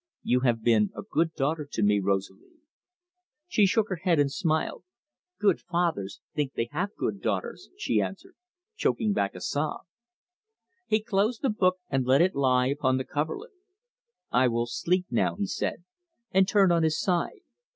"You have been a good daughter to me, Rosalie." She shook her head and smiled. "Good fathers think they have good daughters," she answered, choking back a sob. He closed the book and let it lie upon the coverlet. "I will sleep now," he said, and turned on his side.